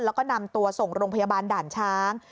แล้วก็นำตัวส่งโรงพยาบาลด่านช้าง